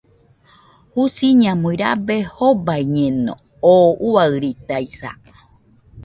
Jusiñamui rabe jobaiñeno, oo uairitaisa